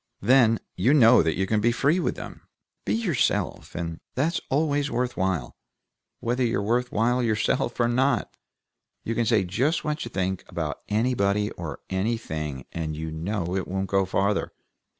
Then, you know that you can be free with them, be yourself, and that's always worth while, whether you're worth while yourself or not. You can say just what you think about anybody or anything, and you know it won't go farther.